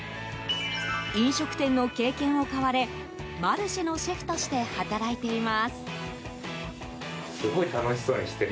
飲食店の経験を買われマルシェのシェフとして働いています。